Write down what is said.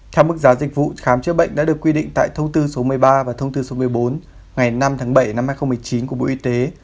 theo mức giá dịch vụ khám chữa bệnh đã được quy định tại thông tư số một mươi ba và thông tư số một mươi bốn ngày năm tháng bảy năm hai nghìn một mươi chín của bộ y tế